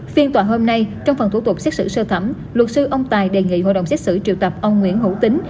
phiên tòa hôm nay trong phần thủ tục xét xử sơ thẩm luật sư ông tài đề nghị hội đồng xét xử triệu tập ông nguyễn hữu tính